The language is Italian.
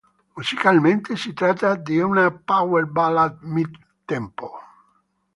Musicalmente, si tratta di una power ballad mid-tempo.